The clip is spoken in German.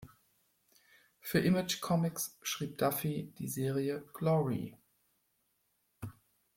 Für Image Comics schrieb Duffy die Serie "Glory".